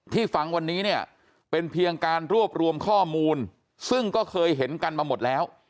ฟังวันนี้เนี่ยเป็นเพียงการรวบรวมข้อมูลซึ่งก็เคยเห็นกันมาหมดแล้ว